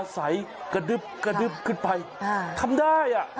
ใส่กระดึบขึ้นไปทำได้อ่ะ